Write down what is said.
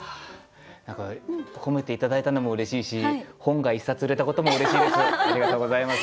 何か褒めて頂いたのもうれしいし本が１冊売れたこともうれしいです。